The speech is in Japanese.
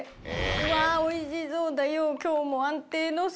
うわおいしそうだよ。